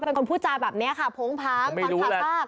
เป็นคนพูดจาแบบนี้ค่ะโพงพังฟังภาพภาพ